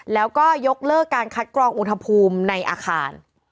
แล้วก็ยกเลิกการคัดกรองอุณหภูมิในอาคาร